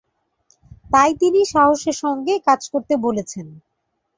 তাই তিনি সাহসের সঙ্গে কাজ করতে বলেছেন।